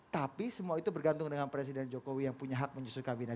tapi semua itu bergantung dengan presiden jokowi yang punya hak menyusul kabinet